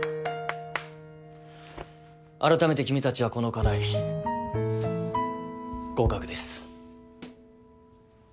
あらためて君たちはこの課題合格です。